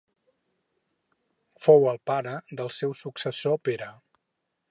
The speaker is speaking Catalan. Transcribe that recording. Fou el pare del seu successor Pere.